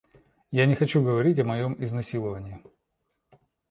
Я не хочу о говорить о моём изнасиловании.